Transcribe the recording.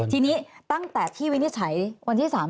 ทีนี้ตั้งแต่ที่วินิจฉัยวันที่๓